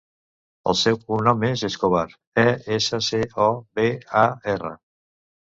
El seu cognom és Escobar: e, essa, ce, o, be, a, erra.